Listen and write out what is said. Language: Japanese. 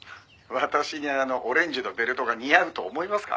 「私にあのオレンジのベルトが似合うと思いますか？」